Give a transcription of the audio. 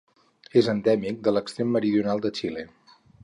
És endèmic de l'extrem meridional de Xile.